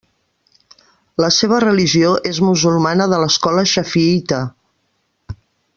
La seva religió és musulmana de l'escola xafiïta.